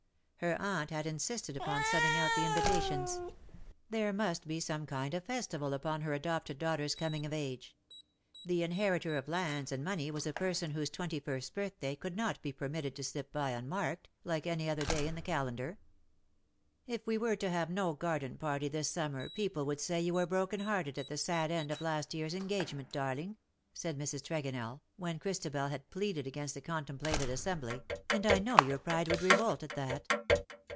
Her aunt had insisted upon sending out the invitations. There must be some kind of festival upon her adopted daughter's coming of age. The inheritor of lands and money was a person whose twenty first birthday LOVES YOU AS OF OLD." 109 could not be permitted to slip by unmarked,, like any other day in the calendar. " If we were to have no garden party this summer people would say you were broken hearted at the sad end of last yearns engagement, darling/^ said Mrs. Tregonell, when Christabel had pleaded against the contemplated assembly, '^ and I know your pride would revolt at that.''